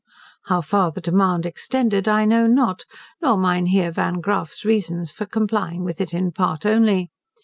How far the demand extended, I know not, nor Mynheer Van Graaffe's reasons for complying with it in part only.